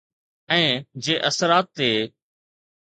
۽ جي اثرات تي